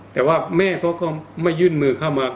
แต่ว่าแม่เขาก็ไม่ยื่นมือเข้ามา